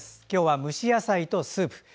今日は蒸し野菜とスープ。